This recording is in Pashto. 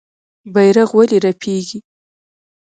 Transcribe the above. بیرغ ولې رپیږي؟